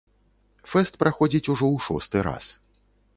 Фэст праходзіць ужо ў шосты раз.